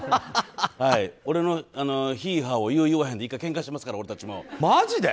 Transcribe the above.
俺のヒーハーを言う言わへんで１回けんかしてますから俺たちも。